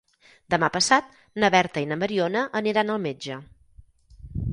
Demà passat na Berta i na Mariona aniran al metge.